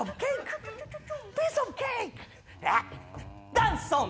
ダンソン！